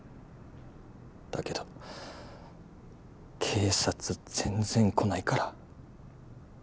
だけど警察全然来ないから。